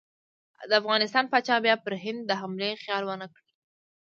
د افغانستان پاچا بیا پر هند د حملې خیال ونه کړي.